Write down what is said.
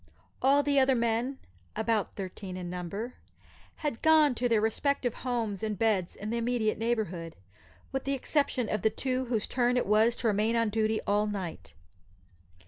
All the other men about thirteen in number had gone to their respective homes and beds in the immediate neighbourhood, with the exception of the two whose turn it was to remain on duty all night.